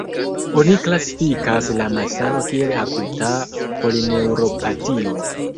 Oni klasifikas la malsano kiel akuta polineuropatio.